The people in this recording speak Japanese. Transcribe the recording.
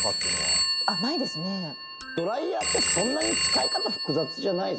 「ドライヤーってそんなに使い方複雑じゃない」